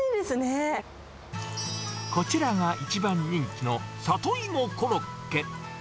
こちらが一番人気の里芋コロッケ。